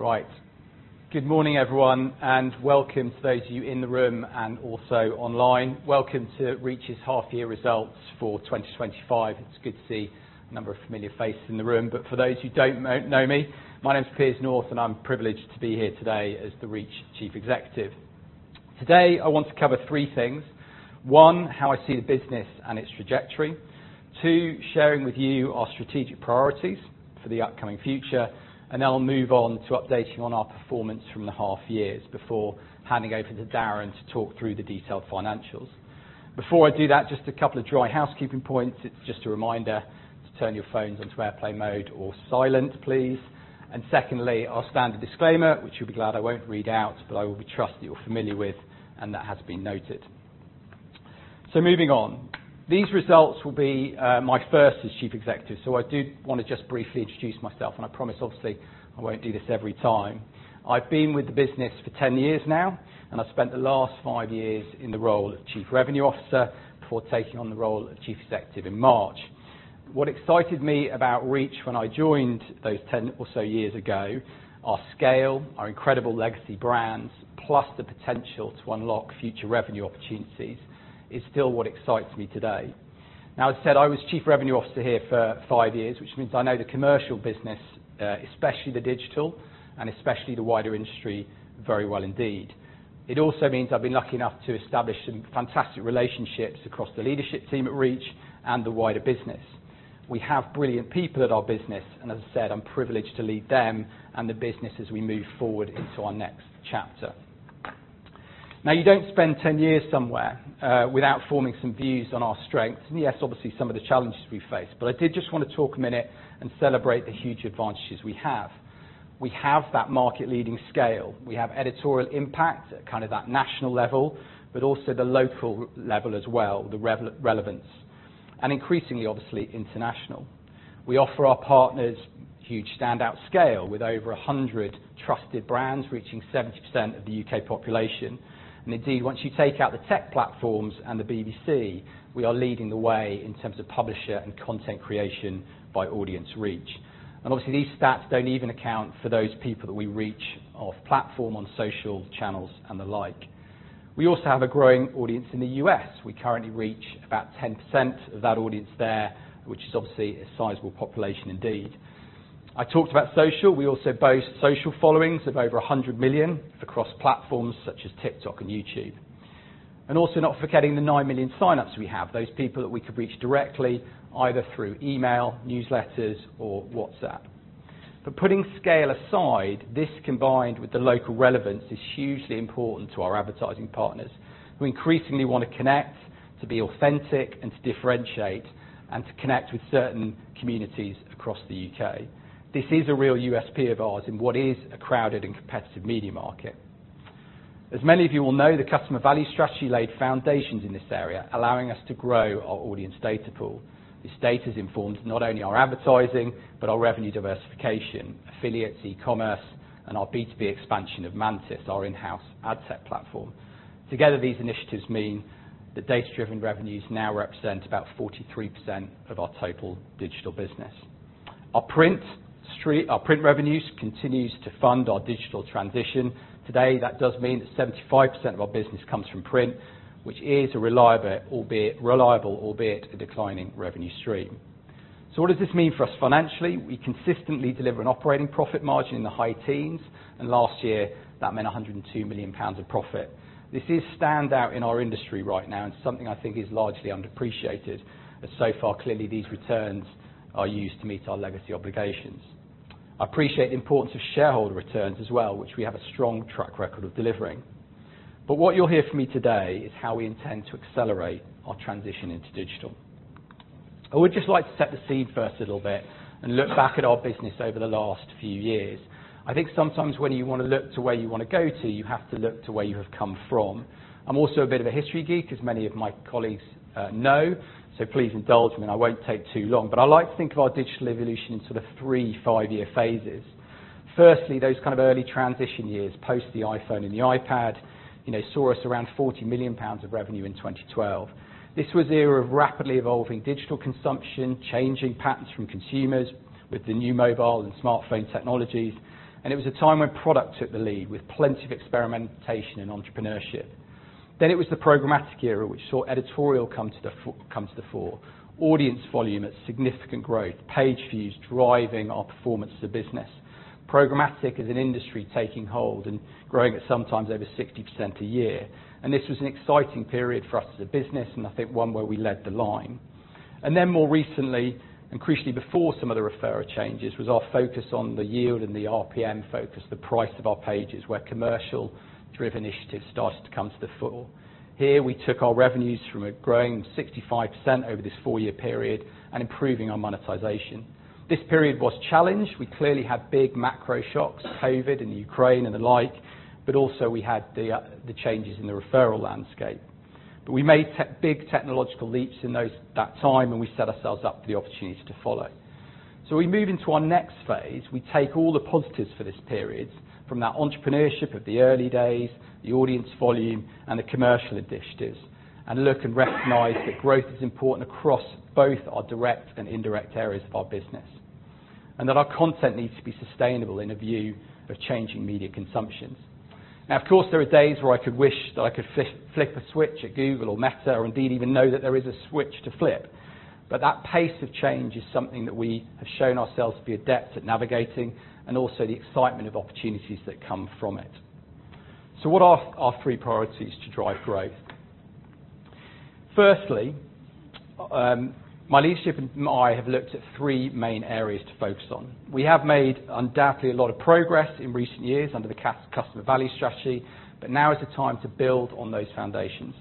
Right, good morning everyone, and welcome to those of you in the room and also online. Welcome to Reach's Half-Year Results for 2025. It's good to see a number of familiar faces in the room, but for those who don't know me, my name is Piers North and I'm privileged to be here today as the Reach Chief Executive. Today, I want to cover three things. One, how I see the business and its trajectory. Two, sharing with you our strategic priorities for the upcoming future. I'll move on to updating on our performance from the half years before handing over to Darren to talk through the detailed financials. Before I do that, just a couple of dry housekeeping points. It's just a reminder to turn your phones onto airplane mode or silent, please. Secondly, our standard disclaimer, which you'll be glad I won't read out, but I will trust that you're familiar with and that has been noted. Moving on, these results will be my first as Chief Executive. I do want to just briefly introduce myself, and I promise I won't do this every time. I've been with the business for 10 years now, and I spent the last five years in the role of Chief Revenue Officer before taking on the role of Chief Executive in March. What excited me about Reach when I joined those 10 or so years ago, our scale, our incredible legacy brands, plus the potential to unlock future revenue opportunities is still what excites me today. As I said, I was Chief Revenue Officer here for five years, which means I know the commercial business, especially the digital, and especially the wider industry very well indeed. It also means I've been lucky enough to establish some fantastic relationships across the leadership team at Reach and the wider business. We have brilliant people at our business, and as I said, I'm privileged to lead them and the business as we move forward into our next chapter. You don't spend 10 years somewhere without forming some views on our strengths. Yes, obviously some of the challenges we faced, but I did just want to talk a minute and celebrate the huge advantages we have. We have that market leading scale. We have editorial impact at kind of that national level, but also the local level as well, the relevance, and increasingly, obviously, international. We offer our partners huge standout scale with over 100 trusted brands reaching 70% of the U.K. population. Indeed, once you take out the tech platforms and the BBC, we are leading the way in terms of publisher and content creation by audience reach. Obviously, these stats do not even account for those people that we reach off platform on social channels and the like. We also have a growing audience in the U.S. We currently reach about 10% of that audience there, which is obviously a sizable population indeed. I talked about social. We also boast social followings of over 100 million across platforms such as TikTok and YouTube. Also, not forgetting the 9 million signups we have, those people that we could reach directly either through email, newsletters, or WhatsApp. Putting scale aside, this combined with the local relevance is hugely important to our advertising partners who increasingly want to connect, to be authentic, to differentiate, and to connect with certain communities across the U.K. This is a real USP of ours in what is a crowded and competitive media market. As many of you will know, the customer value strategy laid foundations in this area, allowing us to grow our audience data pool. This data has informed not only our advertising, but our revenue diversification, affiliates, e-commerce, and our B2B expansion of Mantis, our in-house ad tech platform. Together, these initiatives mean that data-driven revenues now represent about 43% of our total digital business. Our print revenues continue to fund our digital transition. Today, that does mean that 75% of our business comes from print, which is a reliable, albeit a declining revenue stream. What does this mean for us financially? We consistently deliver an operating profit margin in the high teens, and last year that meant 102 million pounds of profit. This is standout in our industry right now and something I think is largely underappreciated, as so far clearly these returns are used to meet our legacy obligations. I appreciate the importance of shareholder returns as well, which we have a strong track record of delivering. What you'll hear from me today is how we intend to accelerate our transition into digital. I would just like to set the scene first a little bit and look back at our business over the last few years. I think sometimes when you want to look to where you want to go to, you have to look to where you have come from. I'm also a bit of a history geek, as many of my colleagues know, so please indulge me, and I won't take too long, but I like to think of our digital evolution in sort of three five-year phases. Firstly, those kind of early transition years post the iPhone and the iPad, you know, saw us around 40 million pounds of revenue in 2012. This was an era of rapidly evolving digital consumption, changing patterns from consumers with the new mobile and smartphone technologies, and it was a time when product took the lead with plenty of experimentation and entrepreneurship. Then it was the programmatic era, which saw editorial come to the fore, audience volume at significant growth, page views driving our performance as a business. Programmatic is an industry taking hold and growing at sometimes over 60% a year, and this was an exciting period for us as a business, and I think one where we led the line. More recently, and crucially before some of the referral changes, was our focus on the yield and the RPM focus, the price of our pages, where commercial-driven initiatives started to come to the fore. Here, we took our revenues from a growing 65% over this four-year period and improving our monetization. This period was challenged. We clearly had big macro shocks, COVID and the Ukraine and the like, but also we had the changes in the referral landscape. We made big technological leaps in that time, and we set ourselves up for the opportunities to follow. We move into our next phase. We take all the positives for this period from that entrepreneurship of the early days, the audience volume, and the commercial initiatives, and look and recognize that growth is important across both our direct and indirect areas of our business. Our content needs to be sustainable in a view of changing media consumptions. Of course, there are days where I could wish that I could flip a switch at Google or Meta, or indeed even know that there is a switch to flip, but that pace of change is something that we have shown ourselves to be adept at navigating and also the excitement of opportunities that come from it. What are our three priorities to drive growth? Firstly, my leadership and I have looked at three main areas to focus on. We have made undoubtedly a lot of progress in recent years under the customer value strategy, but now is the time to build on those foundations.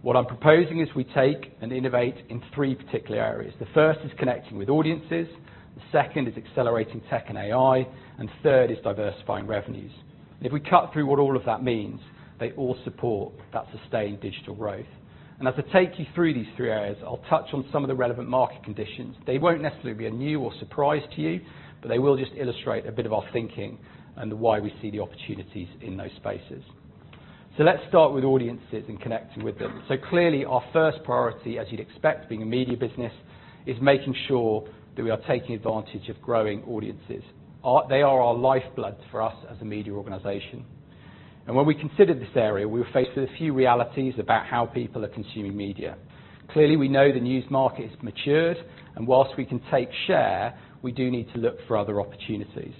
What I'm proposing is we take and innovate in three particular areas. The first is connecting with audiences. The second is accelerating tech and AI. The third is diversifying revenues. If we cut through what all of that means, they all support that sustained digital growth. As I take you through these three areas, I'll touch on some of the relevant market conditions. They won't necessarily be new or a surprise to you, but they will just illustrate a bit of our thinking and why we see the opportunities in those spaces. Let's start with audiences and connecting with them. Clearly, our first priority, as you'd expect, being a media business, is making sure that we are taking advantage of growing audiences. They are our lifeblood for us as a media organization. When we considered this area, we were faced with a few realities about how people are consuming media. Clearly, we know the news market has matured, and whilst we can take share, we do need to look for other opportunities.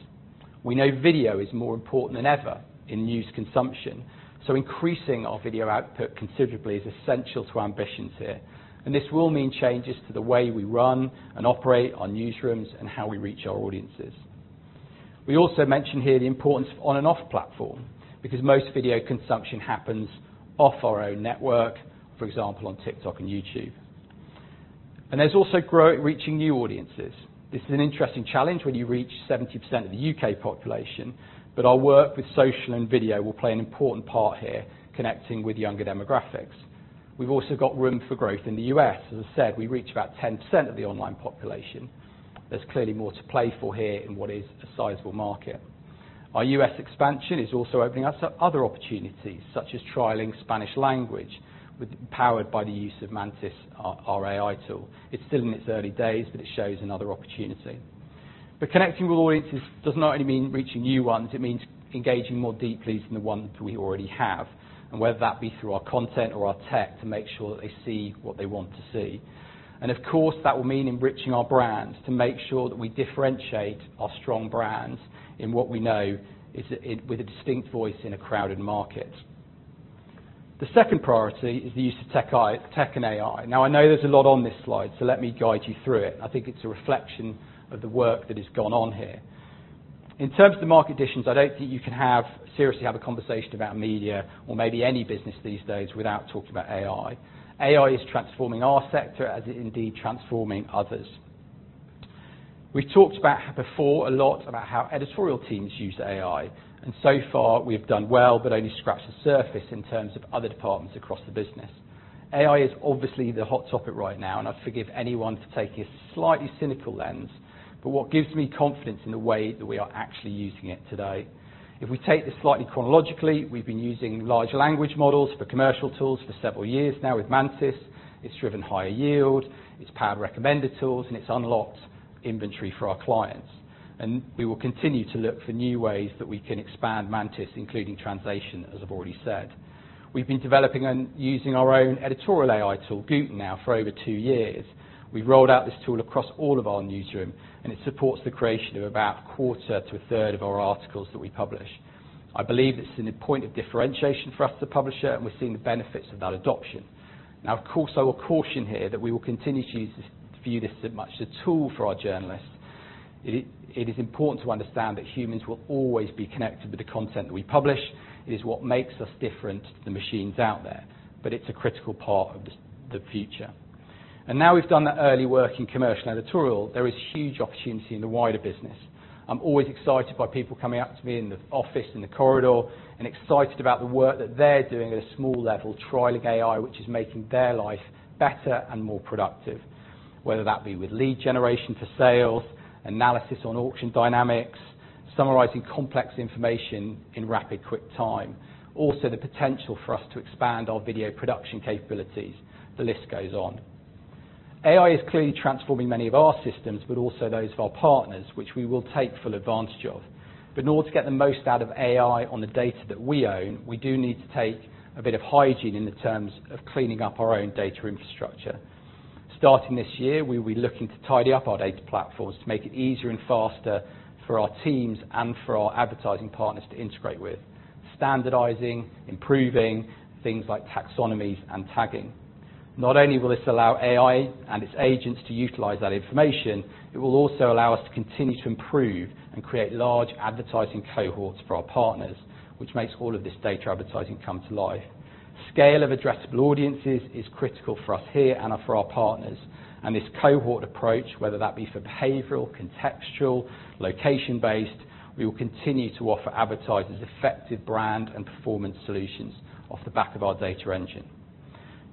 We know video is more important than ever in news consumption, so increasing our video output considerably is essential to our ambitions here. This will mean changes to the way we run and operate our newsrooms and how we reach our audiences. We also mention here the importance of on- and off-platform because most video consumption happens off our own network, for example, on TikTok and YouTube. There is also growth reaching new audiences. This is an interesting challenge when you reach 70% of the U.K. population, but our work with social and video will play an important part here, connecting with younger demographics. We've also got room for growth in the U.S. As I said, we reach about 10% of the online population. There is clearly more to play for here in what is a sizable market. Our U.S. expansion is also opening up to other opportunities, such as trialing Spanish language, powered by the use of Mantis, our AI tool. It's still in its early days, but it shows another opportunity. Connecting with audiences does not only mean reaching new ones; it means engaging more deeply with the ones we already have, and whether that be through our content or our tech to make sure that they see what they want to see. Of course, that will mean enriching our brand to make sure that we differentiate our strong brands in what we know is a distinct voice in a crowded market. The second priority is the use of tech and AI. I know there's a lot on this slide, so let me guide you through it. I think it's a reflection of the work that has gone on here. In terms of the market conditions, I don't think you can seriously have a conversation about media or maybe any business these days without talking about AI. AI is transforming our sector as it is indeed transforming others. We've talked before a lot about how editorial teams use AI, and so far we've done well, but only scratched the surface in terms of other departments across the business. AI is obviously the hot topic right now, and I'd forgive anyone for taking a slightly cynical lens, but what gives me confidence is the way that we are actually using it today. If we take this slightly chronologically, we've been using large language models for commercial tools for several years. Now with Mantis, it's driven higher yield, it's powered recommender tools, and it's unlocked inventory for our clients. We will continue to look for new ways that we can expand Mantis, including translation, as I've already said. We've been developing and using our own editorial AI tool, Guten, now, for over two years. We've rolled out this tool across all of our newsrooms, and it supports the creation of about 1/4-1/3 of our articles that we publish. I believe this is a point of differentiation for us as a publisher, and we're seeing the benefits of that adoption. Now, of course, I will caution here that we will continue to use this view as much as a tool for our journalists. It is important to understand that humans will always be connected with the content that we publish. It is what makes us different to the machines out there, but it's a critical part of the future. Now we've done that early work in commercial and editorial, there is huge opportunity in the wider business. I'm always excited by people coming up to me in the office, in the corridor, and excited about the work that they're doing at a small level, trialing AI, which is making their life better and more productive. Whether that be with lead generation for sales, analysis on auction dynamics, summarizing complex information in rapid, quick time. Also, the potential for us to expand our video production capabilities. The list goes on. AI is clearly transforming many of our systems, but also those of our partners, which we will take full advantage of. In order to get the most out of AI on the data that we own, we do need to take a bit of hygiene in terms of cleaning up our own data infrastructure. Starting this year, we'll be looking to tidy up our data platforms to make it easier and faster for our teams and for our advertising partners to integrate with. Standardizing, improving things like taxonomies and tagging. Not only will this allow AI and its agents to utilize that information, it will also allow us to continue to improve and create large advertising cohorts for our partners, which makes all of this data advertising come to life. Scale of addressable audiences is critical for us here and for our partners. This cohort approach, whether that be for behavioral, contextual, location-based, we will continue to offer advertisers effective brand and performance solutions off the back of our data engine.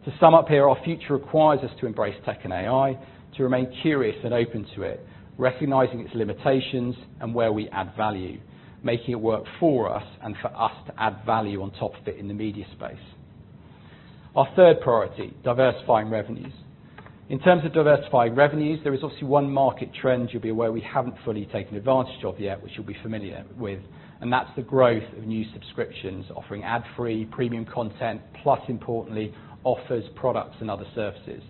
To sum up here, our future requires us to embrace tech and AI, to remain curious and open to it, recognizing its limitations and where we add value, making it work for us and for us to add value on top of it in the media space. Our third priority, diversifying revenues. In terms of diversifying revenues, there is obviously one market trend you'll be aware we haven't fully taken advantage of yet, which you'll be familiar with, and that's the growth of new subscriptions, offering ad-free premium content, plus importantly, offers, products, and other services.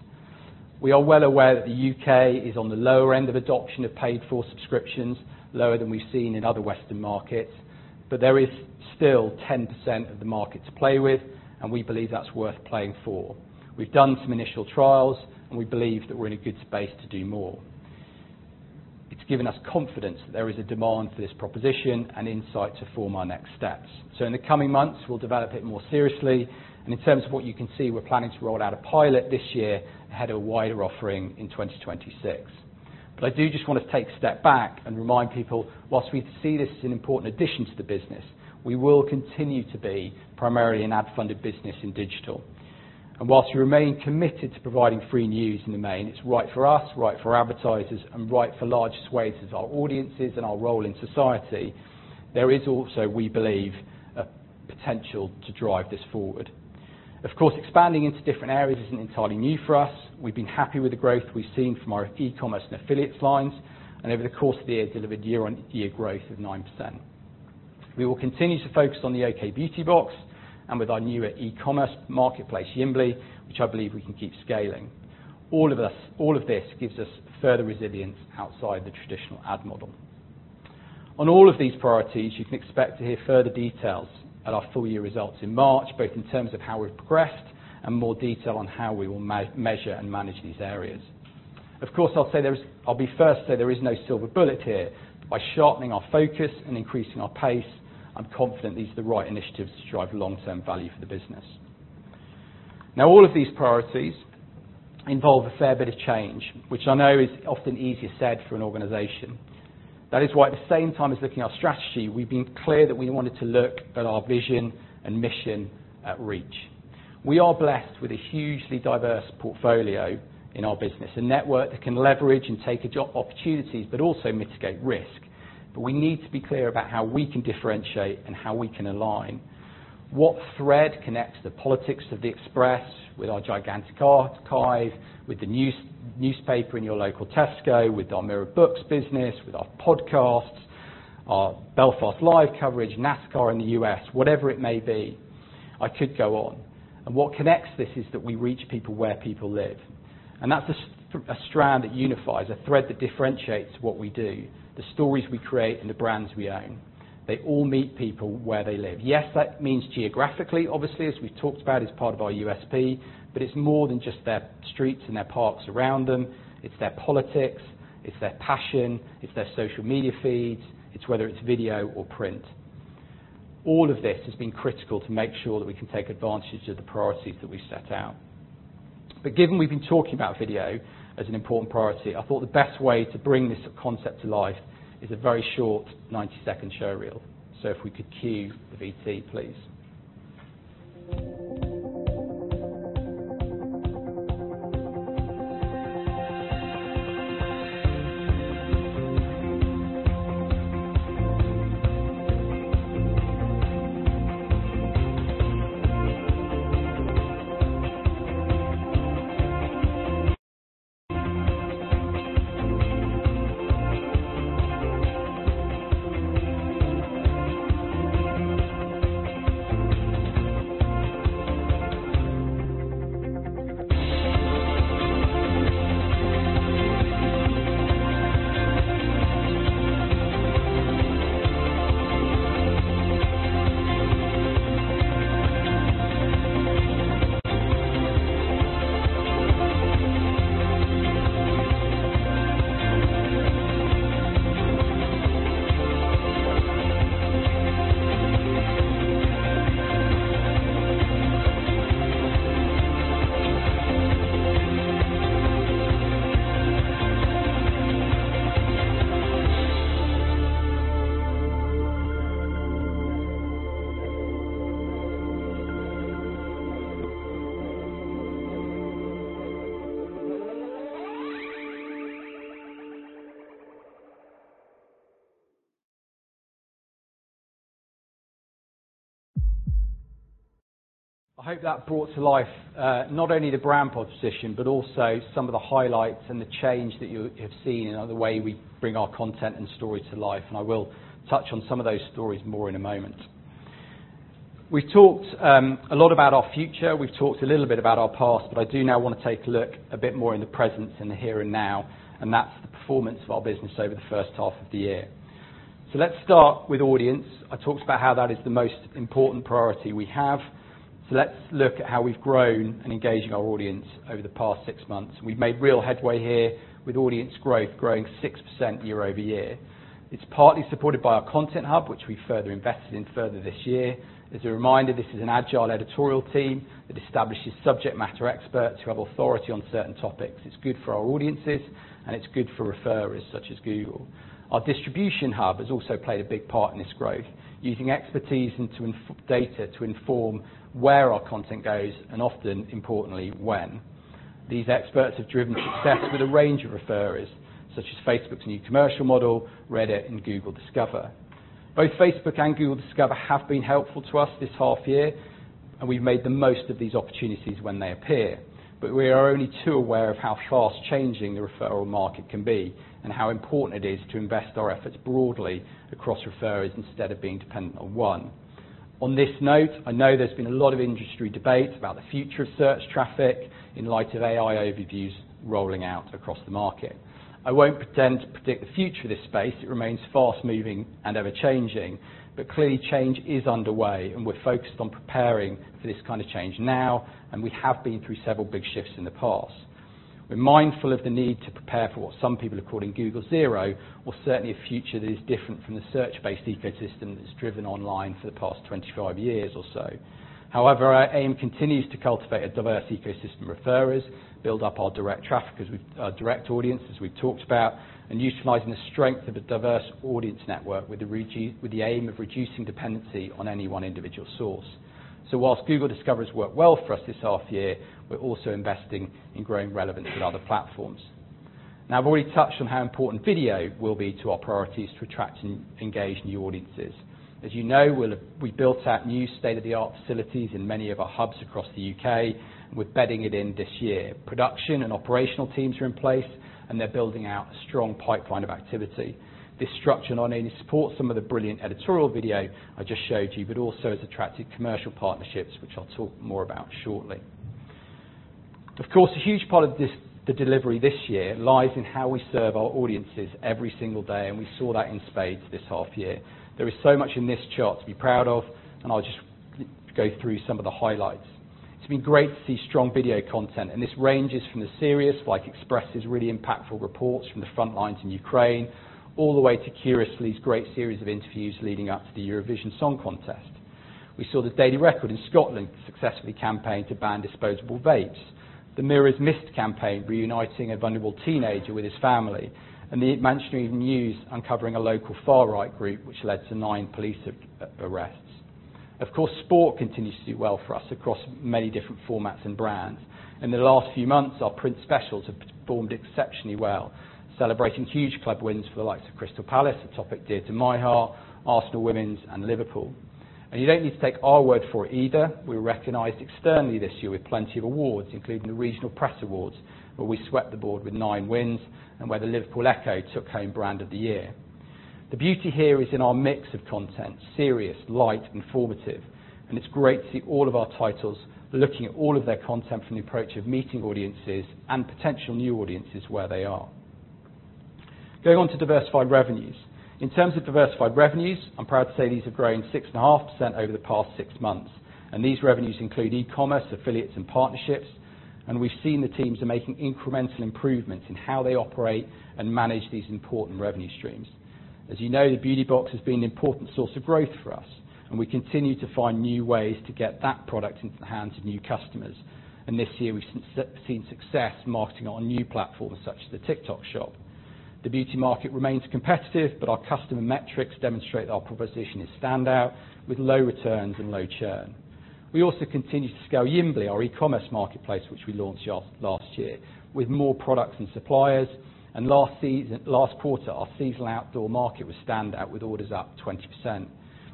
We are well aware that the U.K. is on the lower end of adoption of paid-for subscriptions, lower than we've seen in other Western markets, but there is still 10% of the market to play with, and we believe that's worth playing for. We've done some initial trials, and we believe that we're in a good space to do more. It's given us confidence that there is a demand for this proposition and insight to form our next steps. In the coming months, we'll develop it more seriously, and in terms of what you can see, we're planning to roll out a pilot this year ahead of a wider offering in 2026. I do just want to take a step back and remind people, whilst we see this as an important addition to the business, we will continue to be primarily an ad-funded business in digital. Whilst we remain committed to providing free news in the main, it's right for us, right for our advertisers, and right for large swathes of our audiences and our role in society. There is also, we believe, a potential to drive this forward. Of course, expanding into different areas isn't entirely new for us. We've been happy with the growth we've seen from our e-commerce and affiliates lines, and over the course of the year, delivered year-on-year growth of 9%. We will continue to focus on the OK! Beauty Box and with our newer e-commerce marketplace, Yimbly, which I believe we can keep scaling. All of this gives us further resilience outside the traditional ad model. On all of these priorities, you can expect to hear further details at our full-year results in March, both in terms of how we've progressed and more detail on how we will measure and manage these areas. Of course, I'll be first to say there is no silver bullet here. By sharpening our focus and increasing our pace, I'm confident these are the right initiatives to drive long-term value for the business. Now, all of these priorities involve a fair bit of change, which I know is often easier said for an organization. That is why, at the same time as looking at our strategy, we've been clear that we wanted to look at our vision and mission at Reach. We are blessed with a hugely diverse portfolio in our business, a network that can leverage and take opportunities, but also mitigate risk. We need to be clear about how we can differentiate and how we can align. What thread connects the politics of the Express with our gigantic archive, with the newspaper in your local Tesco, with our Mirror Books business, with our podcasts, our BelfastLive coverage, NASCAR in the U.S., whatever it may be, I could go on. What connects this is that we reach people where people live. That's a strand that unifies, a thread that differentiates what we do, the stories we create, and the brands we own. They all meet people where they live. Yes, that means geographically, obviously, as we've talked about, is part of our USP, but it's more than just their streets and their parks around them. It's their politics, it's their passion, it's their social media feeds, it's whether it's video or print. All of this has been critical to make sure that we can take advantage of the priorities that we've set out. Given we've been talking about video as an important priority, I thought the best way to bring this concept to life is a very short 90-second show reel. If we could cue the VT please. I hope that brought to life not only the brand proposition, but also some of the highlights and the change that you have seen in the way we bring our content and story to life. I will touch on some of those stories more in a moment. We've talked a lot about our future. We've talked a little bit about our past, but I do now want to take a look a bit more in the present and the here and now, and that's the performance of our business over the first half of the year. Let's start with audience. I talked about how that is the most important priority we have. Let's look at how we've grown and engaged our audience over the past six months. We've made real headway here with audience growth, growing 6% year over year. It's partly supported by our content hub, which we further invested in this year. As a reminder, this is an agile editorial team that establishes subject matter experts who have authority on certain topics. It's good for our audiences, and it's good for referrers such as Google. Our distribution hub has also played a big part in this growth, using expertise and data to inform where our content goes and often importantly when. These experts have driven success with a range of referrers such as Facebook's new commercial model, Reddit, and Google Discover. Both Facebook and Google Discover have been helpful to us this half year, and we've made the most of these opportunities when they appear. We are only too aware of how fast changing the referral market can be and how important it is to invest our efforts broadly across referrers instead of being dependent on one. On this note, I know there's been a lot of industry debate about the future of search traffic in light of AI overviews rolling out across the market. I won't pretend to predict the future of this space. It remains fast-moving and ever-changing, but clearly change is underway, and we're focused on preparing for this kind of change now, and we have been through several big shifts in the past. We're mindful of the need to prepare for what some people are calling Google Zero, or certainly a future that is different from the search-based ecosystem that's driven online for the past 25 years or so. However, our aim continues to cultivate a diverse ecosystem of referrers, build up our direct traffic as we've direct audiences we've talked about, and utilizing the strength of a diverse audience network with the aim of reducing dependency on any one individual source. Whilst Google Discover has worked well for us this half year, we're also investing in growing relevance with other platforms. Now, I've already touched on how important video will be to our priorities to attract and engage new audiences. As you know, we built out new state-of-the-art facilities in many of our hubs across the U.K. We're bedding it in this year. Production and operational teams are in place, and they're building out a strong pipeline of activity. This structure not only supports some of the brilliant editorial video I just showed you, but also has attracted commercial partnerships, which I'll talk more about shortly. Of course, a huge part of the delivery this year lies in how we serve our audiences every single day, and we saw that in spades this half year. There is so much in this chart to be proud of, and I'll just go through some of the highlights. It's been great to see strong video content, and this ranges from the serious like Express's really impactful reports from the front lines in Ukraine, all the way to Curiously's great series of interviews leading up to the Eurovision Song Contest. We saw the Daily Record in Scotland successfully campaign to ban disposable vapes, the Mirror's missed campaign reuniting a vulnerable teenager with his family, and the Manchester Evening News uncovering a local far-right group which led to nine police arrests. Of course, sport continues to do well for us across many different formats and brands. In the last few months, our print specials have performed exceptionally well, celebrating huge club wins for the likes of Crystal Palace, a topic dear to my heart, Arsenal Women's, and Liverpool. You don't need to take our word for it either. We were recognized externally this year with plenty of awards, including the Regional Press Awards, where we swept the board with nine wins and where the Liverpool Echo took home brand of the year. The beauty here is in our mix of content: serious, light, and formative. It's great to see all of our titles looking at all of their content from the approach of meeting audiences and potential new audiences where they are. Going on to diversified revenues. In terms of diversified revenues, I'm proud to say these have grown 6.5% over the past six months. These revenues include e-commerce, affiliates, and partnerships. We've seen the teams are making incremental improvements in how they operate and manage these important revenue streams. As you know, the Beauty Box has been an important source of growth for us, and we continue to find new ways to get that product into the hands of new customers. This year, we've seen success marketing on new platforms such as the TikTok shop. The beauty market remains competitive, but our customer metrics demonstrate that our proposition is standout with low returns and low churn. We also continue to scale Yimbly, our e-commerce marketplace, which we launched last year with more products and suppliers. Last quarter, our seasonal outdoor market was standout with orders up 20%.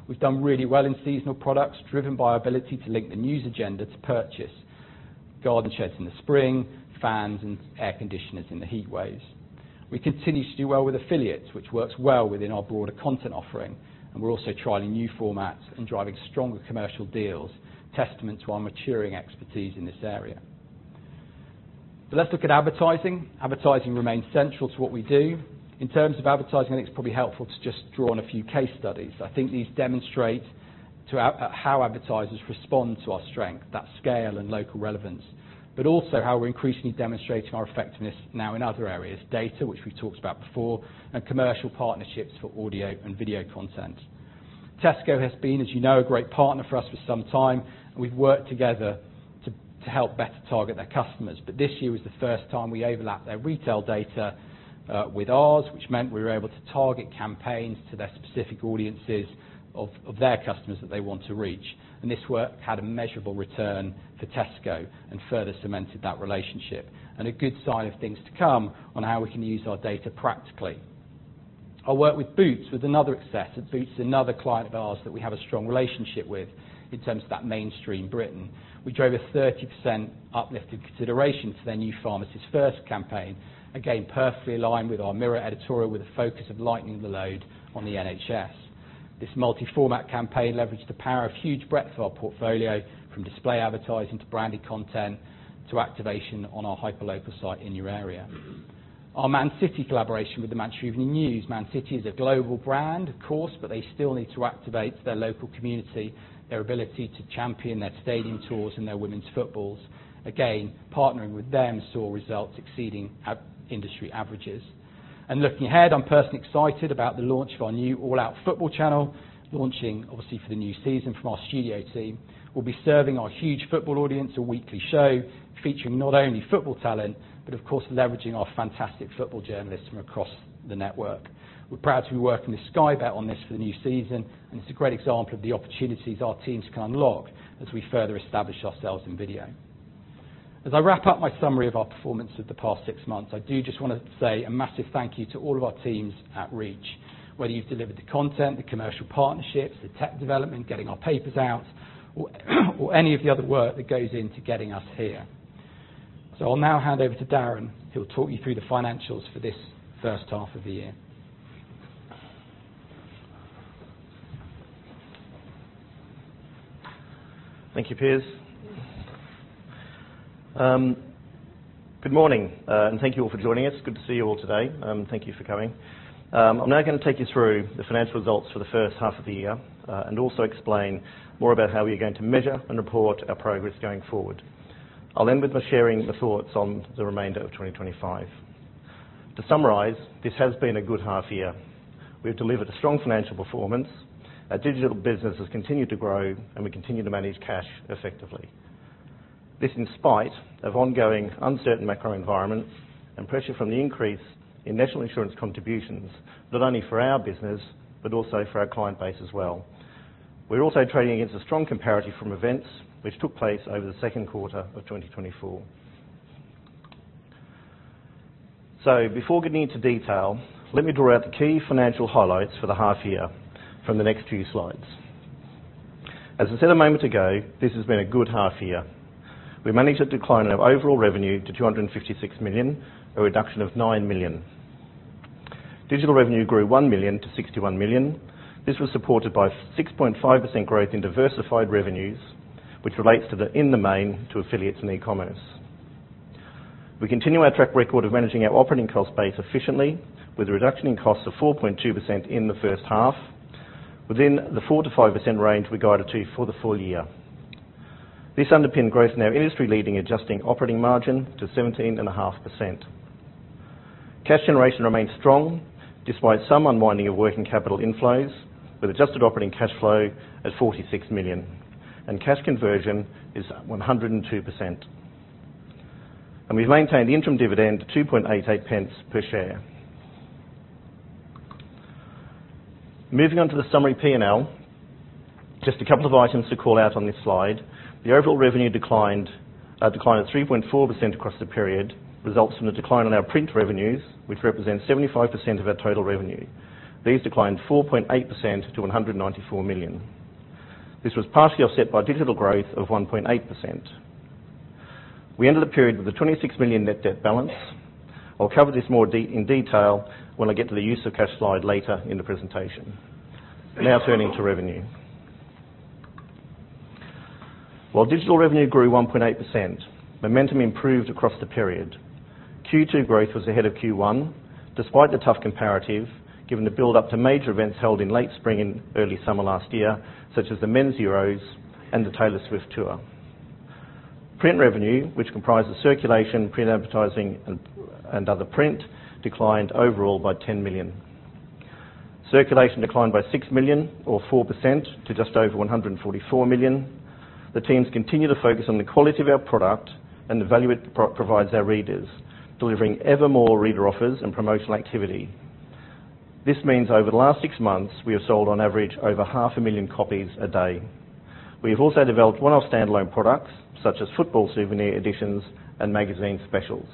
We've done really well in seasonal products, driven by our ability to link the news agenda to purchase: garden sheds in the spring, fans, and air conditioners in the heat waves. We continue to do well with affiliates, which works well within our broader content offering. We're also trialing new formats and driving stronger commercial deals, testament to our maturing expertise in this area. Let's look at advertising. Advertising remains central to what we do. In terms of advertising, I think it's probably helpful to just draw on a few case studies. I think these demonstrate how advertisers respond to our strength, that scale and local relevance, but also how we're increasingly demonstrating our effectiveness now in other areas: data, which we've talked about before, and commercial partnerships for audio and video content. Tesco has been, as you know, a great partner for us for some time, and we've worked together to help better target their customers. This year was the first time we overlapped their retail data with ours, which meant we were able to target campaigns to their specific audiences of their customers that they want to reach. This work had a measurable return for Tesco and further cemented that relationship and a good sign of things to come on how we can use our data practically. Our work with Boots was another success. Boots is another client of ours that we have a strong relationship with in terms of that mainstream Britain. We drove a 30% uplifted consideration to their new Pharmacist First campaign, again perfectly aligned with our Mirror editorial with a focus of lightening the load on the NHS. This multi-format campaign leveraged the power of huge breadth of our portfolio, from display advertising to branded content to activation on our hyperlocal site InYourArea. Our Man City collaboration with the Manchester Evening News. Man City is a global brand, of course, but they still need to activate their local community, their ability to champion their stadium tours and their women's footballs. Partnering with them saw results exceeding industry averages. Looking ahead, I'm personally excited about the launch of our new All Out Football channel, launching for the new season from our studio team. We'll be serving our huge football audience a weekly show featuring not only football talent, but of course leveraging our fantastic football journalists from across the network. We're proud to be working with Sky Bet on this for the new season, and it's a great example of the opportunities our teams can unlock as we further establish ourselves in video. As I wrap up my summary of our performance of the past six months, I do just want to say a massive thank you to all of our teams at Reach. Whether you've delivered the content, the commercial partnerships, the tech development, getting our papers out, or any of the other work that goes into getting us here. I'll now hand over to Darren, who will talk you through the financials for this first half of the year. Thank you, Piers. Good morning, and thank you all for joining us. Good to see you all today. Thank you for coming. I'm now going to take you through the financial results for the first half of the year and also explain more about how we are going to measure and report our progress going forward. I'll end with my sharing my thoughts on the remainder of 2025. To summarize, this has been a good half year. We've delivered a strong financial performance. Our digital business has continued to grow, and we continue to manage cash effectively. This in spite of ongoing uncertain macro environments and pressure from the increase in national insurance contributions, not only for our business, but also for our client base as well. We're also trading against a strong comparative from events which took place over the second quarter of 2024. Before getting into detail, let me draw out the key financial highlights for the half year from the next few slides. As I said a moment ago, this has been a good half year. We managed a decline in our overall revenue to 256 million, a reduction of 9 million. Digital revenue grew 1 million-61 million. This was supported by 6.5% growth in diversified revenues, which relates in the main to affiliates and e-commerce. We continue our track record of managing our operating cost base efficiently, with a reduction in costs of 4.2% in the first half, within the 4%-5% range we guided to for the full year. This underpinned growth in our industry-leading adjusted operating margin to 17.5%. Cash generation remains strong, despite some unwinding of working capital inflows, with adjusted operating cash flow at 46 million, and cash conversion is 102%. We've maintained the interim dividend at 0.0288 per share. Moving on to the summary P&L, just a couple of items to call out on this slide. The overall revenue declined 3.4% across the period, resulting from the decline in our print revenues, which represent 75% of our total revenue. These declined 4.8% to 194 million. This was partially offset by digital growth of 1.8%. We ended the period with a 26 million net debt balance. I'll cover this more in detail when I get to the use of cash slide later in the presentation. Now turning to revenue. While digital revenue grew 1.8%, momentum improved across the period. Q2 growth was ahead of Q1, despite the tough comparative given the build-up to major events held in late spring and early summer last year, such as the Men's Euros and the Taylor Swift tour. Print revenue, which comprised the circulation, print advertising, and other print, declined overall by 10 million. Circulation declined by 6 million, or 4%, to just over 144 million. The teams continue to focus on the quality of our product and the value it provides our readers, delivering ever more reader offers and promotional activity. This means over the last six months, we have sold on average over 500,00 copies a day. We have also developed one-off standalone products such as football souvenir editions and magazine specials.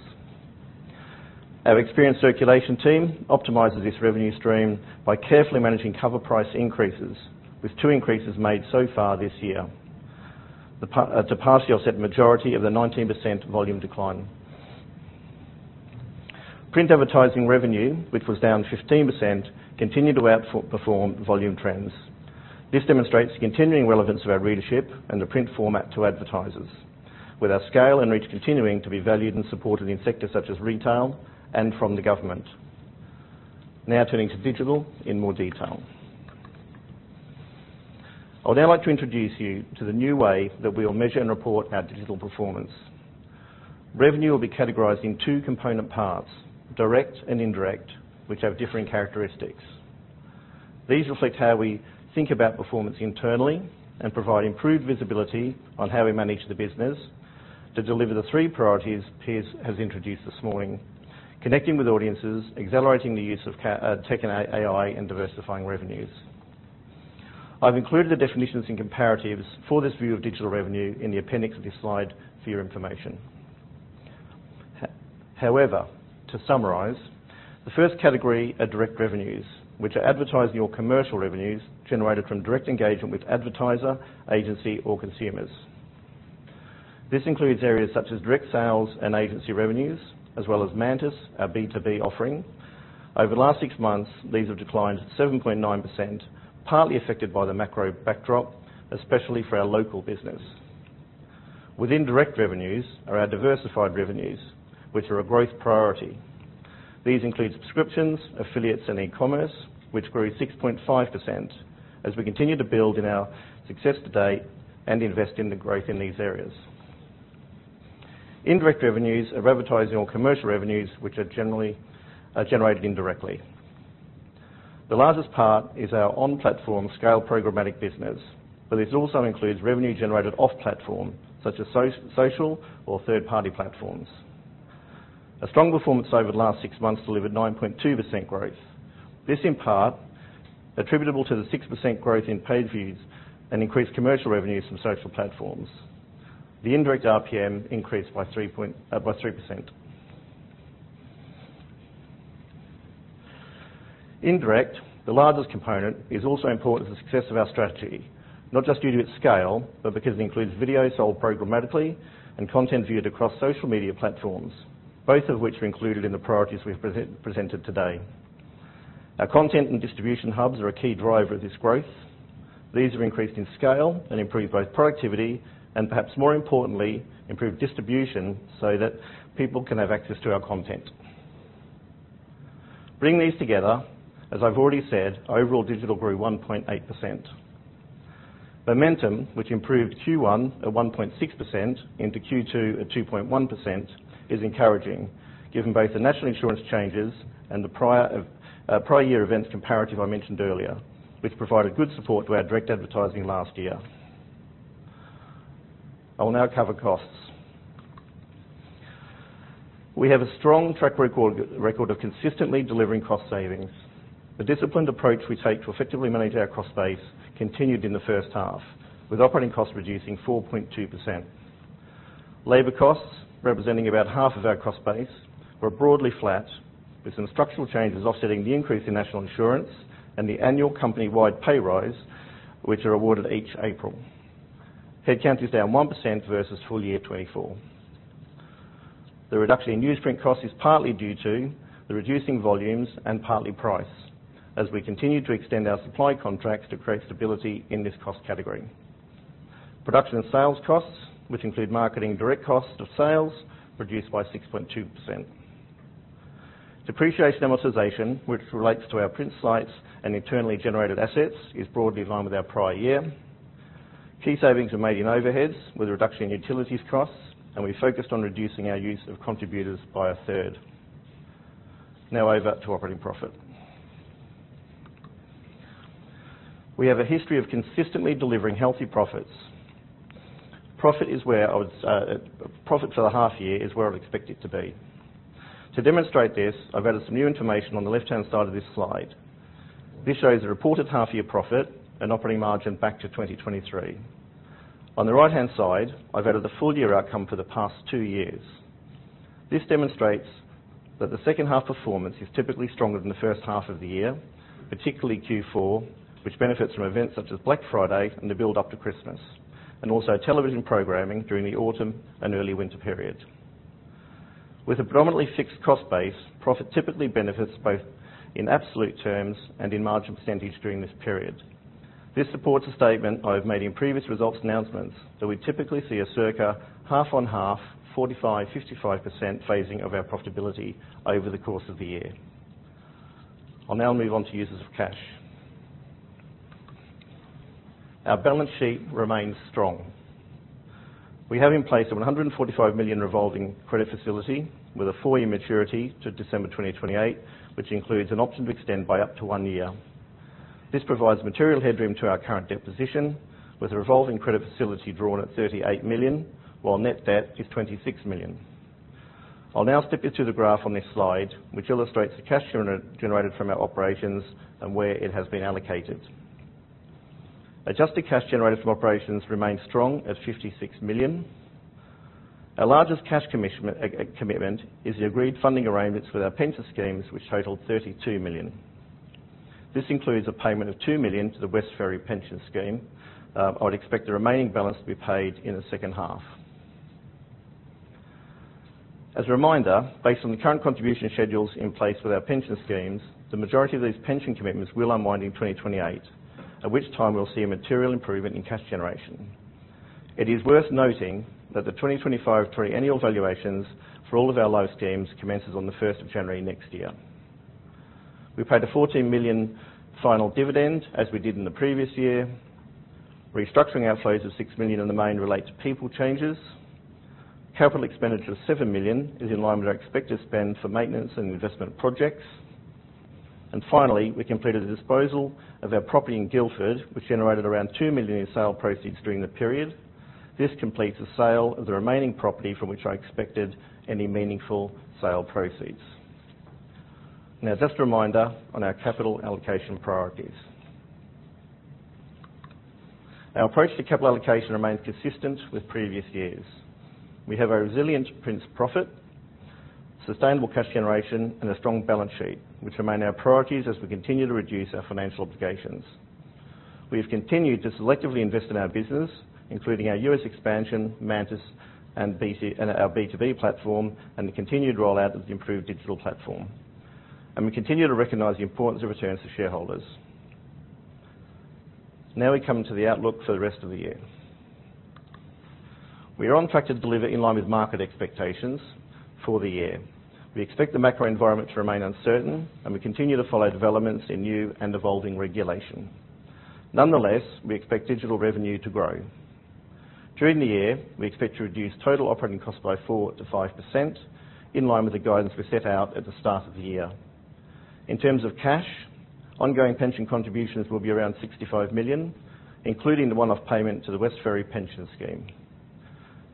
Our experienced circulation team optimized this revenue stream by carefully managing cover price increases, with two increases made so far this year to partially offset the majority of the 19% volume decline. Print advertising revenue, which was down 15%, continued to outperform volume trends. This demonstrates the continuing relevance of our readership and the print format to advertisers, with our scale and reach continuing to be valued and supported in sectors such as retail and from the government. Now turning to digital in more detail. I would now like to introduce you to the new way that we will measure and report our digital performance. Revenue will be categorized in two component parts: direct and indirect, which have differing characteristics. These reflect how we think about performance internally and provide improved visibility on how we manage the business to deliver the three priorities Piers has introduced this morning: connecting with audiences, accelerating the use of tech and AI, and diversifying revenues. I've included the definitions and comparatives for this view of digital revenue in the appendix of this slide for your information. However, to summarize, the first category are direct revenues, which are advertising or commercial revenues generated from direct engagement with advertisers, agency, or consumers. This includes areas such as direct sales and agency revenues, as well as Mantis, our B2B offering. Over the last six months, these have declined 7.9%, partly affected by the macro backdrop, especially for our local business. Within direct revenues are our diversified revenues, which are a growth priority. These include subscriptions, affiliates, and e-commerce, which grew 6.5% as we continue to build in our success to date and invest in the growth in these areas. Indirect revenues are advertising or commercial revenues, which are generated indirectly. The largest part is our on-platform scale programmatic business, but this also includes revenue generated off-platform, such as social or third-party platforms. A strong performance over the last six months delivered 9.2% growth. This is in part attributable to the 6% growth in paid views and increased commercial revenues from social platforms. The indirect RPM increased by 3%. Indirect, the largest component, is also important to the success of our strategy, not just due to its scale, but because it includes video sold programmatically and content viewed across social media platforms, both of which are included in the priorities we've presented today. Our content and distribution hubs are a key driver of this growth. These are increased in scale and improve both productivity and, perhaps more importantly, improve distribution so that people can have access to our content. Bringing these together, as I've already said, overall digital grew 1.8%. Momentum, which improved Q1 at 1.6% into Q2 at 2.1%, is encouraging, given both the national insurance changes and the prior year events comparative I mentioned earlier, which provided good support to our direct advertising last year. I will now cover costs. We have a strong track record of consistently delivering cost savings. The disciplined approach we take to effectively manage our cost base continued in the first half, with operating costs reducing 4.2%. Labor costs, representing about half of our cost base, were broadly flat, with some structural changes offsetting the increase in national insurance and the annual company-wide payrolls, which are awarded each April. Headcount is down 1% versus full year 2024. The reduction in newsprint costs is partly due to the reducing volumes and partly price, as we continue to extend our supply contracts to create stability in this cost category. Production and sales costs, which include marketing and direct costs of sales, reduced by 6.2%. Depreciation amortization, which relates to our print sites and internally generated assets, is broadly in line with our prior year. Key savings are made in overheads with a reduction in utilities costs, and we focused on reducing our use of contributors by a third. Now over to operating profit. We have a history of consistently delivering healthy profits. Profit is where I would say profit for the half year is where I would expect it to be. To demonstrate this, I've added some new information on the left-hand side of this slide. This shows a reported half-year profit and operating margin back to 2023. On the right-hand side, I've added the full-year outcome for the past two years. This demonstrates that the second half performance is typically stronger than the first half of the year, particularly Q4, which benefits from events such as Black Friday and the build-up to Christmas, and also television programming during the autumn and early winter period. With a predominantly fixed-cost base, profit typically benefits both in absolute terms and in margin percentage during this period. This supports a statement I've made in previous results announcements that we typically see a circa half-on-half, 45-55% phasing of our profitability over the course of the year. I'll now move on to users of cash. Our balance sheet remains strong. We have in place a 145 million revolving credit facility with a four-year maturity to December 2028, which includes an option to extend by up to one year. This provides material headroom to our current debt position, with a revolving credit facility drawn at 38 million, while net debt is 26 million. I'll now step you through the graph on this slide, which illustrates the cash generated from our operations and where it has been allocated. Adjusted cash generated from operations remains strong at 56 million. Our largest cash commitment is the agreed funding arrangements with our pension schemes, which total 32 million. This includes a payment of 2 million to the West Ferry Pension Scheme. I would expect the remaining balance to be paid in the second half. As a reminder, based on the current contribution schedules in place with our pension schemes, the majority of these pension commitments will unwind in 2028, at which time we'll see a material improvement in cash generation. It is worth noting that the 2025-2020 annual valuations for all of our local schemes commenced on the 1st of January next year. We paid a 14 million final dividend as we did in the previous year. Restructuring outflows of 6 million in the main relate to people changes. Capital expenditure of 7 million is in line with our expected spend for maintenance and investment projects. Finally, we completed a disposal of our property in Guildford, which generated around 2 million in sale proceeds during the period. This completes the sale of the remaining property from which I expected any meaningful sale proceeds. Now, just a reminder on our capital allocation priorities. Our approach to capital allocation remains consistent with previous years. We have a resilient print profit, sustainable cash generation, and a strong balance sheet, which remain our priorities as we continue to reduce our financial obligations. We have continued to selectively invest in our business, including our U.S. expansion, Mantis, and our B2B platform, and the continued rollout of the improved digital platform. We continue to recognize the importance of returns to shareholders. Now we come to the outlook for the rest of the year. We are on track to deliver in line with market expectations for the year. We expect the macro environment to remain uncertain, and we continue to follow developments in new and evolving regulation. Nonetheless, we expect digital revenue to grow. During the year, we expect to reduce total operating costs by 4%-5% in line with the guidance we set out at the start of the year. In terms of cash, ongoing pension contributions will be around 65 million, including the one-off payment to the West Ferry Pension Scheme.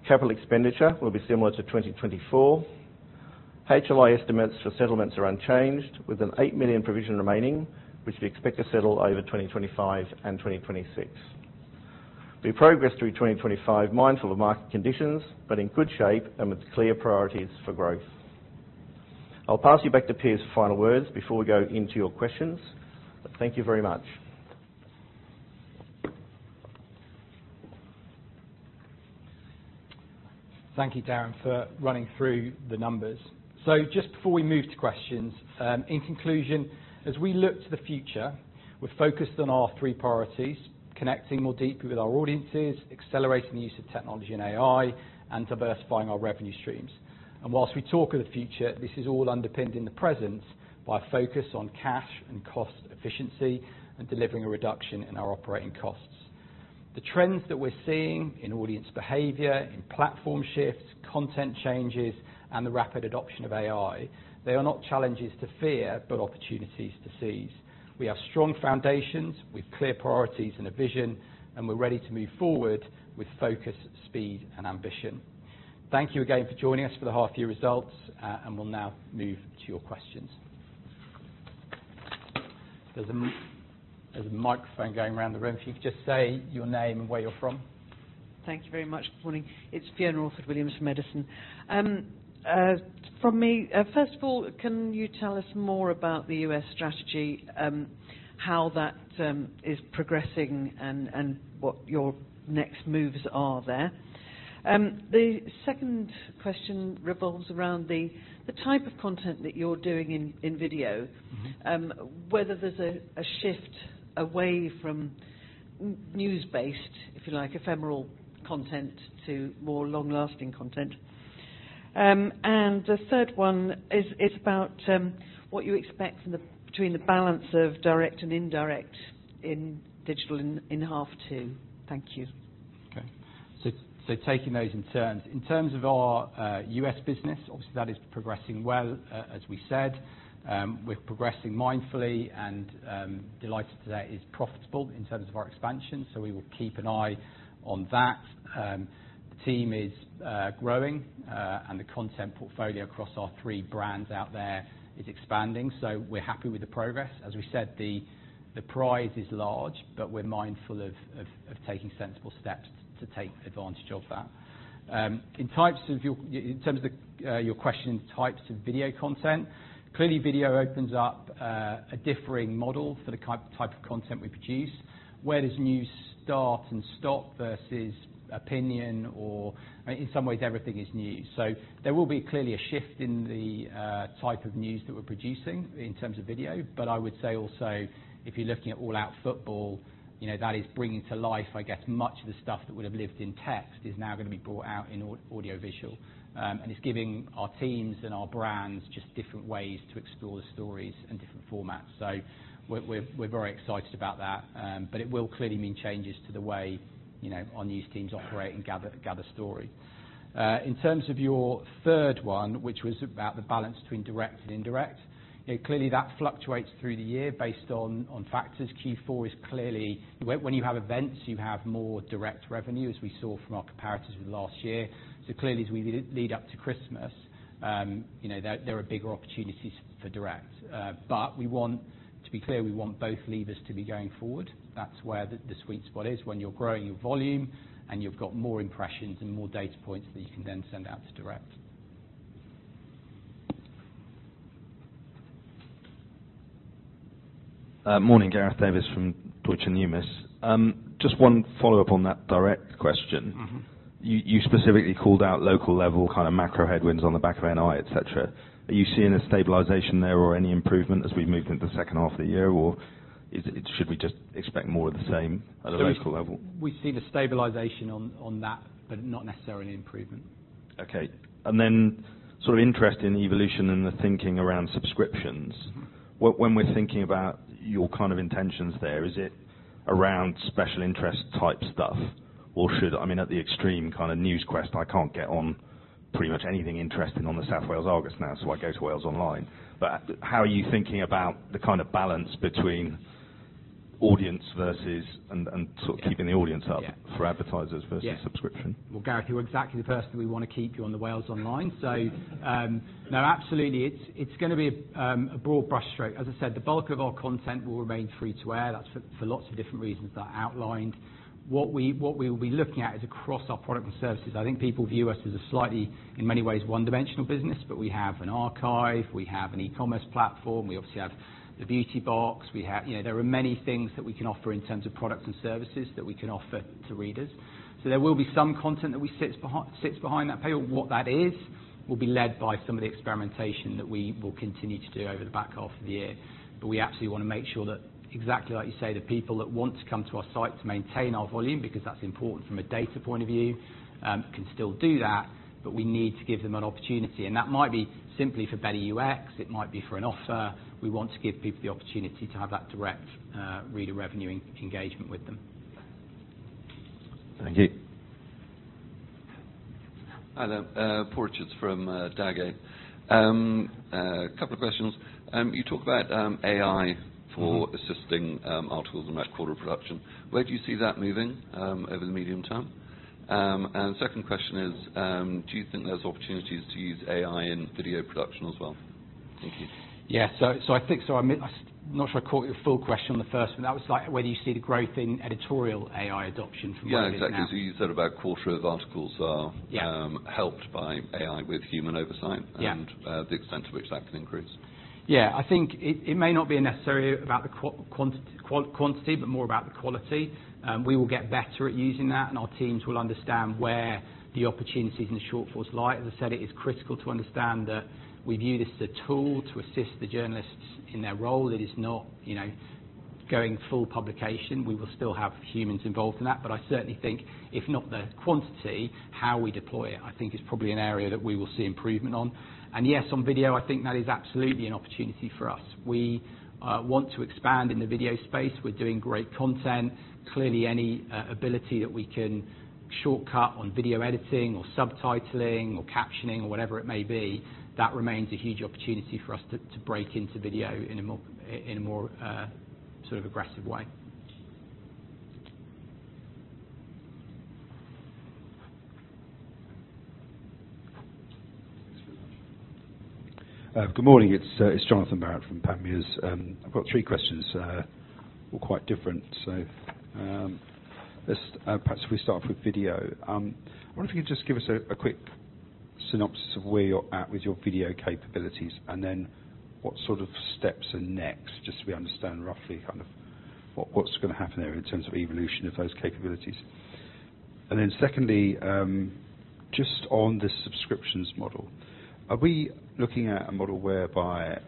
Capital expenditure will be similar to 2024. HLI estimates for settlements are unchanged, with an 8 million provision remaining, which we expect to settle over 2025 and 2026. We progress through 2025, mindful of market conditions, but in good shape and with clear priorities for growth. I'll pass you back to Piers for final words before we go into your questions. Thank you very much. Thank you, Darren, for running through the numbers. Just before we move to questions, in conclusion, as we look to the future, we're focused on our three priorities: connecting more deeply with our audiences, accelerating the use of technology and AI, and diversifying our revenue streams. Whilst we talk of the future, this is all underpinned in the present by a focus on cash and cost efficiency and delivering a reduction in our operating costs. The trends that we're seeing in audience behavior, in platform shifts, content changes, and the rapid adoption of AI are not challenges to fear, but opportunities to seize. We have strong foundations with clear priorities and a vision, and we're ready to move forward with focus, speed, and ambition. Thank you again for joining us for the half-year results, and we'll now move to your questions. There's a microphone going around the room. If you could just say your name and where you're from. Thank you very much, good good morning. It's Fiona Orford-Williams from Edison. From me, first of all, can you tell us more about the U.S. strategy, how that is progressing, and what your next moves are there? The second question revolves around the type of content that you're doing in video, whether there's a shift away from news-based, if you like, ephemeral content to more long-lasting content. The third one is about what you expect between the balance of direct and indirect in digital in half two. Thank you. Okay. Taking those in turns, in terms of our U.S. business, obviously that is progressing well, as we said. We're progressing mindfully and delighted that it is profitable in terms of our expansion. We will keep an eye on that. The team is growing and the content portfolio across our three brands out there is expanding. We're happy with the progress. As we said, the prize is large, but we're mindful of taking sensible steps to take advantage of that. In terms of your question and types of video content, clearly video opens up a differing model for the type of content we produce. Where does news start and stop versus opinion? In some ways, everything is news. There will be clearly a shift in the type of news that we're producing in terms of video. I would say also, if you're looking at all-out football, you know that is bringing to life, I guess, much of the stuff that would have lived in text is now going to be brought out in audio-visual. It's giving our teams and our brands just different ways to explore the stories and different formats. We're very excited about that. It will clearly mean changes to the way our news teams operate and gather story. In terms of your third one, which was about the balance between direct and indirect, clearly that fluctuates through the year based on factors. Q4 is clearly, when you have events, you have more direct revenue, as we saw from our comparisons with last year. As we lead up to Christmas, there are bigger opportunities for direct. We want to be clear, we want both levers to be going forward. That's where the sweet spot is when you're growing your volume and you've got more impressions and more data points that you can then send out to direct. Morning, Gareth Davies from Deutsche Numis. Just one follow-up on that direct question. You specifically called out local level kind of macro headwinds on the back of NI, et cetera. Are you seeing a stabilization there or any improvement as we've moved into the second half of the year, or should we just expect more of the same at a local level? We've seen a stabilization on that, not necessarily an improvement. Okay. Interest in the evolution and the thinking around subscriptions. When we're thinking about your kind of intentions there, is it around special interest type stuff? At the extreme, Newsquest, I can't get on pretty much anything interesting on the South Wales Argus now, so I go to Wales Online. How are you thinking about the kind of balance between audience and keeping the audience up for advertisers versus subscription? Yeah. Gareth, you're exactly the person we want to keep on Wales Online. Absolutely, it's going to be a broad brush stroke. As I said, the bulk of our content will remain free to air. That's for lots of different reasons that I outlined. What we will be looking at is across our products and services. I think people view us as a slightly, in many ways, one-dimensional business, but we have an archive, we have an e-commerce platform, we obviously have the Beauty Box. There are many things that we can offer in terms of products and services that we can offer to readers. There will be some content that sits behind that paywall. What that is will be led by some of the experimentation that we will continue to do over the back half of the year. We absolutely want to make sure that, exactly like you say, the people that want to come to our site to maintain our volume, because that's important from a data point of view, can still do that. We need to give them an opportunity. That might be simply for better UX. It might be for an offer. We want to give people the opportunity to have that direct reader revenue engagement with them. Thank you. Adam Porchett from Dagger. A couple of questions. You talk about AI for assisting our tools in our corporate production. Where do you see that moving over the medium term? The second question is, do you think there's opportunities to use AI in video production as well? Thank you. Yeah, I think so. I'm not sure I caught your full question on the first one. That was like, where do you see the growth in editorial AI adoption from? Yeah, exactly. You said about a quarter of articles are helped by AI with human oversight and the extent to which that can increase. I think it may not be necessarily about the quantity, but more about the quality. We will get better at using that, and our teams will understand where the opportunities and the shortfalls lie. As I said, it is critical to understand that we view this as a tool to assist the journalists in their role. It is not going full publication. We will still have humans involved in that. I certainly think if not the quantity, how we deploy it is probably an area that we will see improvement on. Yes, on video, I think that is absolutely an opportunity for us. We want to expand in the video space. We're doing great content. Clearly, any ability that we can shortcut on video editing or subtitling or captioning or whatever it may be, that remains a huge opportunity for us to break into video in a more sort of aggressive way. Good morning. It's Johnathan Barrett from Panmure. I've got three questions, all quite different. Perhaps if we start off with video, I wonder if you could just give us a quick synopsis of where you're at with your video capabilities and then what sort of steps are next, just so we understand roughly kind of what's going to happen there in terms of evolution of those capabilities. Secondly, just on the subscriptions model, are we looking at a model whereby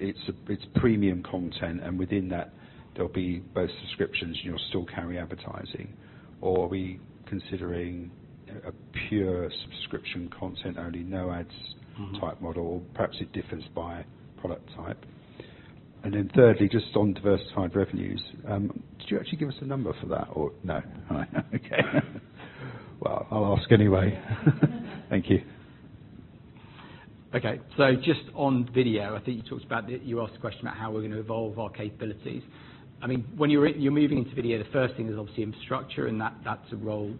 it's premium content and within that there'll be both subscriptions and you'll still carry advertising, or are we considering a pure subscription content only, no ads type model, or perhaps it differs by product type? Thirdly, just on diversified revenues, do you actually give us a number for that or no? Thank you. Okay. Just on video, I think you talked about it. You asked a question about how we're going to evolve our capabilities. When you're moving into video, the first thing is obviously infrastructure, and that's something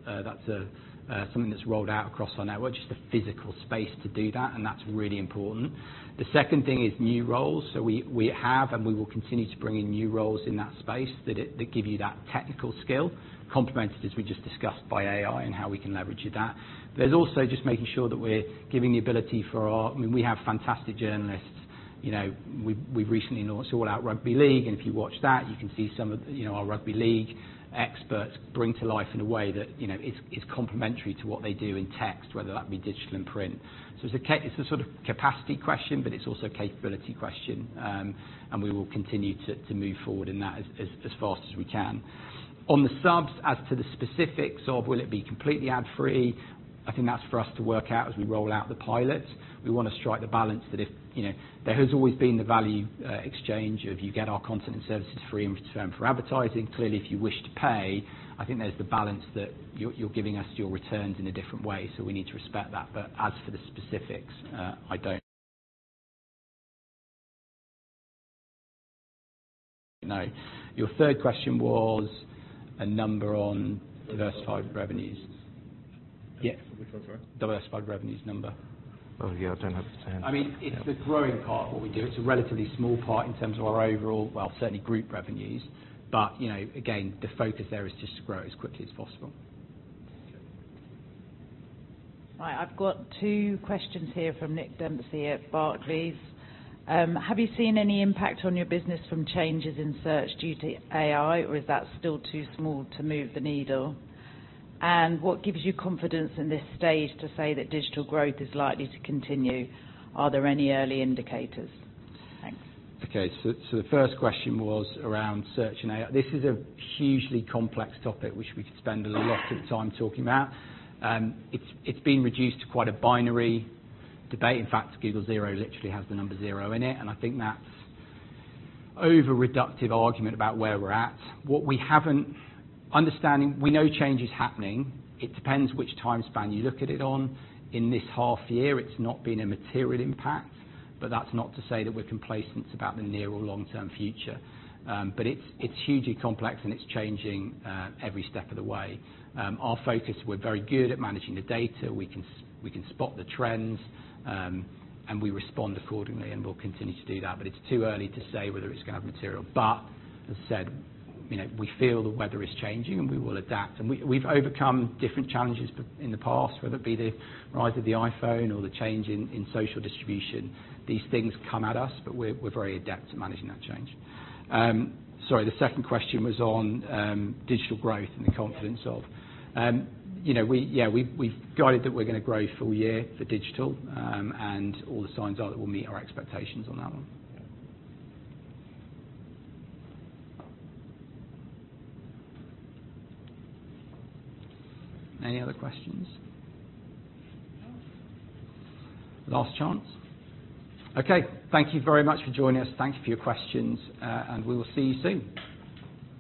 that's rolled out across our network, just the physical space to do that, and that's really important. The second thing is new roles. We have, and we will continue to bring in new roles in that space that give you that technical skill, complemented, as we just discussed, by AI and how we can leverage that. It's also just making sure that we're giving the ability for our, I mean, we have fantastic journalists. You know, we recently launched All Out Rugby League, and if you watch that, you can see some of our Rugby League experts bring to life in a way that is complementary to what they do in text, whether that be digital and print. It's a sort of capacity question, but it's also a capability question, and we will continue to move forward in that as fast as we can. On the subs, as to the specifics of will it be completely ad-free, I think that's for us to work out as we roll out the pilot. We want to strike the balance that if, you know, there has always been the value exchange of you get our content and services free in return for advertising. Clearly, if you wish to pay, I think there's the balance that you're giving us your returns in a different way. We need to respect that. As for the specifics, I don't know. Your third question was a number on diversified revenues. Yeah, for which one? Sorry. Diversified revenues number. Yeah, I don't have a %. I mean, it's the growing part of what we do. It's a relatively small part in terms of our overall, certainly group revenues. You know, again, the focus there is just to grow as quickly as possible. Hi, I've got two questions here from Nick Dempsey at Barclays. Have you seen any impact on your business from changes in search due to AI, or is that still too small to move the needle? What gives you confidence in this stage to say that digital growth is likely to continue? Are there any early indicators? Thanks. Okay, so the first question was around search and AI. This is a hugely complex topic, which we could spend a lot of time talking about. It's been reduced to quite a binary debate. In fact, Google Zero literally has the number zero in it, and I think that's an over-reductive argument about where we're at. We know change is happening. It depends which time span you look at it on. In this half year, it's not been a material impact, but that's not to say that we're complacent about the near or long-term future. It's hugely complex, and it's changing every step of the way. Our focus, we're very good at managing the data. We can spot the trends, and we respond accordingly, and we'll continue to do that. It's too early to say whether it's going to have material impact. As I said, you know, we feel the weather is changing, and we will adapt. We've overcome different challenges in the past, whether it be the rise of the iPhone or the change in social distribution. These things come at us, but we're very adept at managing that change. Sorry, the second question was on digital growth and the confidence of, you know, we, yeah, we've got it that we're going to grow full year for digital, and all the signs are that we'll meet our expectations on that one. Any other questions? Last chance? Okay, thank you very much for joining us. Thank you for your questions, and we will see you soon.